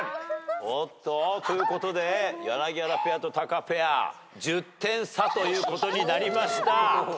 おっとということで柳原ペアとタカペア１０点差ということになりました。